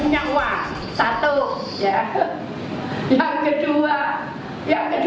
yang pertama aku tidak punya uang satu